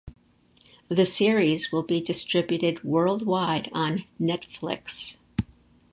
The series will be distributed worldwide on Netflix.